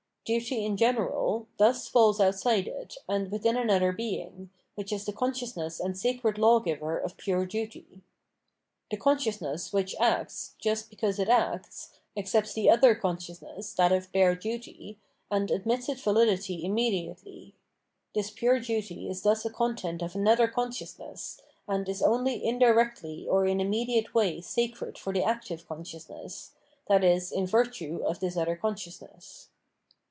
" Duty in general " thus falls outside it and within another being, which is the consciousness and sacred lawgiver of pure duty. The consciousness which acts, just because it acts, accepts the other conscious ness, that of bare duty, and admits its validity imme diately ; this pure duty is thus a content of another consciousness, and is only indirectly or in a mediate way sacred for the active consciousness, viz. in virtue of this other consciousness.